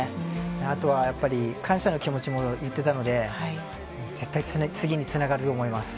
あとはやっぱり、感謝の気持ちも言っていたので、絶対次につながると思います。